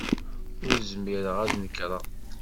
Ur zmireɣ ad nekreɣ.